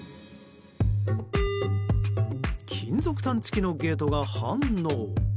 金属探知機のゲートが反応。